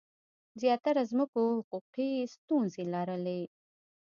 زیاتره ځمکو حقوقي ستونزې لرلې.